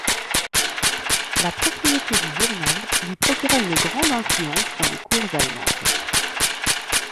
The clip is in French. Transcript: La propriété du journal lui procura une grande influence dans les cours allemandes.